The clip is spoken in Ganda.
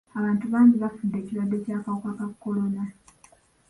Abantu bangi bafudde ekirwadde ky'akawuka ka kolona.